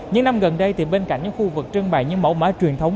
những năm gần đây bên cạnh những khu vực trưng bày những mẫu mã truyền thống